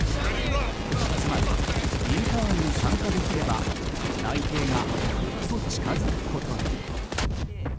つまりインターンに参加できれば内定がぐっと近づくことに。